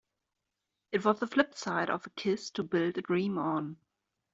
It was the flip side of A Kiss to Build a Dream On.